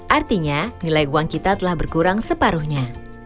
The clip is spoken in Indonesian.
artinya nilai uang kita telah berkurang separuhnya